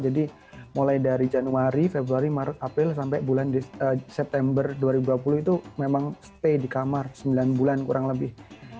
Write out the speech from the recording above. jadi mulai dari januari februari maret april sampai bulan september dua ribu dua puluh itu memang tetap di kamar sembilan bulan kurang lebih